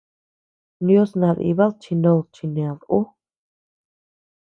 Ndios nadibad chi nod chined ú.